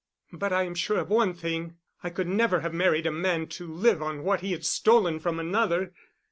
But I am sure of one thing—I could never have married a man to live on what he had stolen from another."